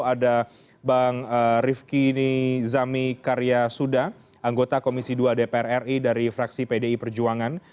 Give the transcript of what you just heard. ada bang rifki nizami karyasuda anggota komisi dua dpr ri dari fraksi pdi perjuangan